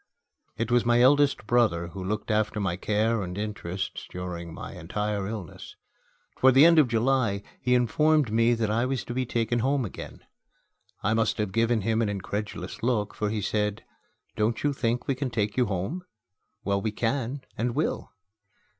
It was my eldest brother who looked after my care and interests during my entire illness. Toward the end of July, he informed me that I was to be taken home again. I must have given him an incredulous look, for he said, "Don't you think we can take you home? Well, we can and will."